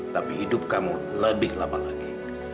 tapi hidup kamu lebih lama lagi